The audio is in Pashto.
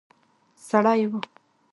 سړی وو.